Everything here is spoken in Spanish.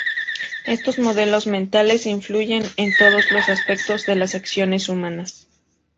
Estos modelos mentales influyen en todos los aspectos de las acciones humanas.